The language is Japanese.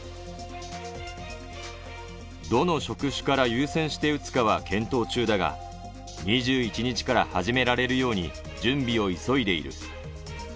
どの職種から優先して打つかは検討中だが、２１日から始められるように準備を急いでいる。